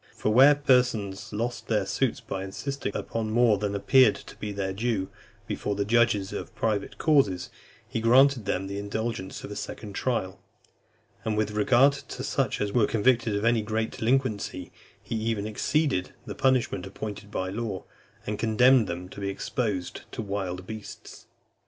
For where persons lost their suits by insisting upon more than appeared to be their due, before the judges of private causes, he granted them the indulgence of a second trial. And with regard to such as were convicted of any great delinquency, he even exceeded the punishment appointed by law, and condemned them to be exposed to wild beasts. XV.